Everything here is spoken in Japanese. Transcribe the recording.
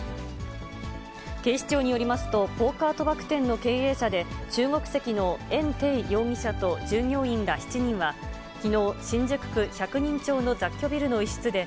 警視庁によりますと、ポーカー賭博店の経営者で、中国籍の袁丁容疑者と従業員ら７人はきのう、新宿区百人町の雑居ビルの一室で、